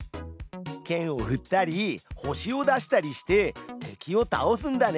けんをふったり星を出したりして敵を倒すんだね。